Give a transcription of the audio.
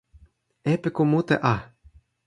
epiku mute a!